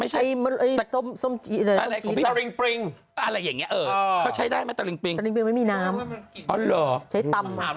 ไอ้ไหล่เจ้าก็แต่มะขามเปียก